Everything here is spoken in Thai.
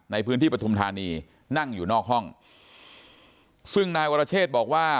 ในพื้นที่ปฐุมธานีนั่งอยู่นอกห้องซึ่งนายวรเชษบอกว่า